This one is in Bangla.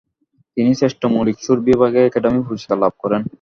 তিনি শ্রেষ্ঠ মৌলিক সুর বিভাগে একাডেমি পুরস্কার লাভ করেন।